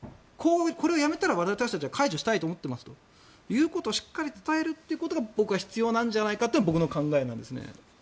これをやめたら私たちは解除したいと思っていますということをしっかり伝えるということが必要なんじゃないかというのが僕の考えです。